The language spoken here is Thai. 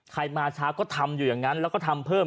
มาช้าก็ทำอยู่อย่างนั้นแล้วก็ทำเพิ่ม